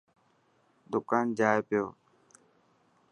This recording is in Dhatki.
دڪان جائي پيو.